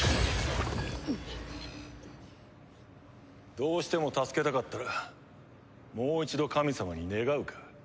どうしても助けたかったらもう一度神様に願うか？